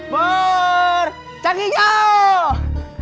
war tangi jauh